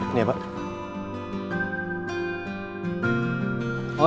ini ya pak